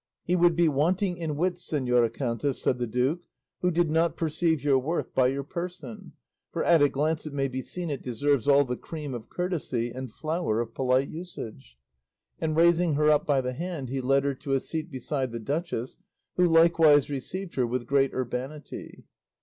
"He would be wanting in wits, señora countess," said the duke, "who did not perceive your worth by your person, for at a glance it may be seen it deserves all the cream of courtesy and flower of polite usage;" and raising her up by the hand he led her to a seat beside the duchess, who likewise received her with great urbanity.